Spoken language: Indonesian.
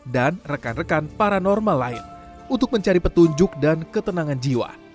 dan rekan rekan paranormal lain untuk mencari petunjuk dan ketenangan jiwa